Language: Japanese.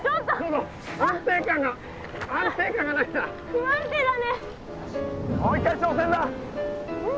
不安定だね。